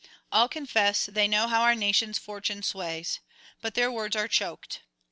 All confess they know how our nation's fortune sways; but their words are choked.